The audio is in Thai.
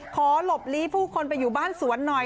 หลบลีผู้คนไปอยู่บ้านสวนหน่อย